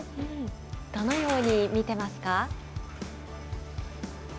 どのように見てますか？